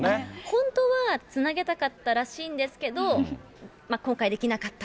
本当は、つなげたかったらしいんですけど、今回できなかったと。